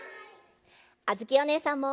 あづきおねえさんも！